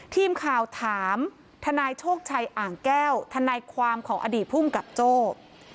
ทีมข่าวถามทนายโชคชัยอ่างแก้วทนายความของอดีตภูมิกับโจ้